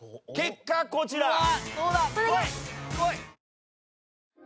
結果こちら。